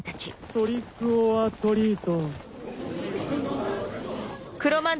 トリックオアトリート！